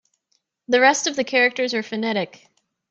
The rest of the characters are phonetic.